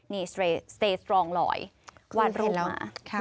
นี่สเตรสตรองลอยวาดลูกมา